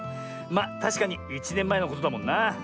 まあたしかに１ねんまえのことだもんな。